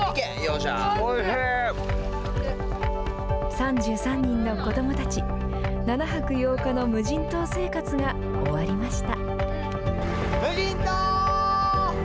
３３人の子どもたち７泊８日の無人島生活が終わりました。